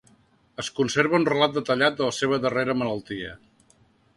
Es conserva un relat detallat de la seva darrera malaltia.